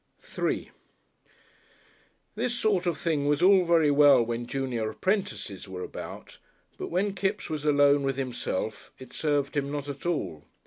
§3 This sort of thing was all very well when junior apprentices were about, but when Kipps was alone with himself it served him not at all.